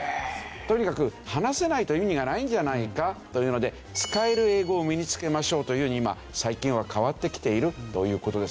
とにかく話せないと意味がないんじゃないかというので使える英語を身につけましょうというふうに今最近は変わってきているという事です。